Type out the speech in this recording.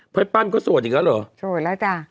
ปั้นก็โสดอีกแล้วเหรอโสดแล้วจ้ะ